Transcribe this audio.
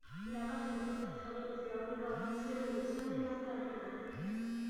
La Base Princesa Isabel es la única base cero emisión en la Antártida.